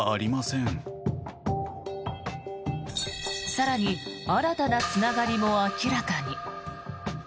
更に新たなつながりも明らかに。